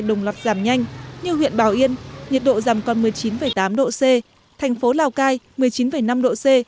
đồng loạt giảm nhanh như huyện bảo yên nhiệt độ giảm còn một mươi chín tám độ c thành phố lào cai một mươi chín năm độ c